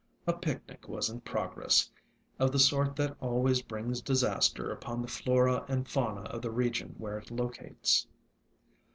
A picnic was in prog ress, of the sort that always brings disaster upon the flora and fauna of the region where it locates.